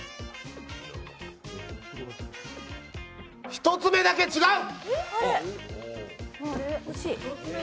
１つ目だけ違う！